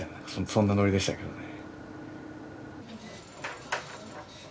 そんなノリでしたけどね。